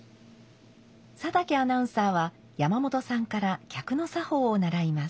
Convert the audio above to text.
佐竹アナウンサーは山本さんから客の作法を習います。